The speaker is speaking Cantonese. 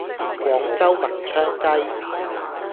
廣州文昌雞